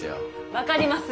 分かります